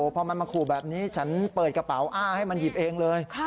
พอมันมาขู่แบบนี้ฉันเปิดกระเป๋าอ้าให้มันหยิบเองเลย